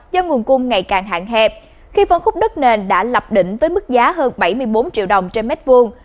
do nguồn cung ngày càng hạn hẹp khi phân khúc đất nền đã lập đỉnh với mức giá hơn bảy mươi bốn triệu đồng trên mét vuông